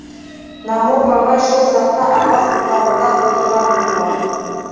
Намур бабай шул саҡта ағас ботағында ултырған булған.